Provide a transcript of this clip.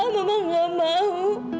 mama gak mau